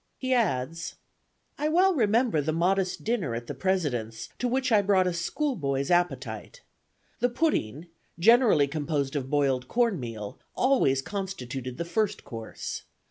He adds: "I well remember the modest dinner at the President's, to which I brought a school boy's appetite. The pudding, generally composed of boiled cornmeal, always constituted the first course.